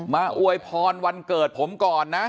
อวยพรวันเกิดผมก่อนนะ